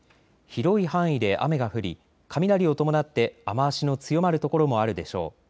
広い範囲で雨が降り雷を伴って雨足の強まる所もあるでしょう。